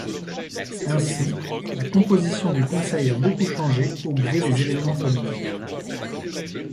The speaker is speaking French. Ainsi, la composition du conseil a beaucoup changé au gré des événements politiques.